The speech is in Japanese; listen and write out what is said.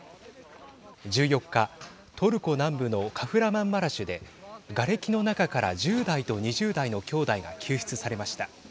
１４日、トルコ南部のカフラマンマラシュでがれきの中から１０代と２０代の兄弟が救出されました。